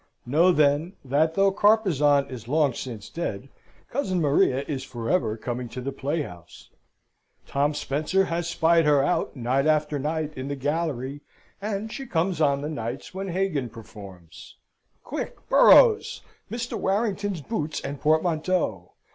Know, then, that though Carpezan is long since dead, cousin Maria is for ever coming to the playhouse. Tom Spencer has spied her out night after night in the gallery, and she comes on the nights when Hagan performs. Quick, Burroughs, Mr. Warrington's boots and portmanteau!